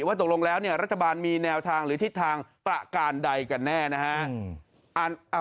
ว่าตกลงแล้วรัฐบาลมีแนวทางหรือทิศทางประการใดกันแน่นะฮะ